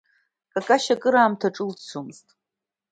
Какашьа акыраамҭа ҿылҭӡомызт.